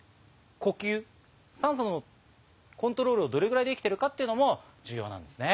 呼吸酸素のコントロールをどれぐらいできてるかっていうのも重要なんですね。